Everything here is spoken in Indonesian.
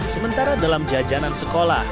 sementara dalam jajanan sekolah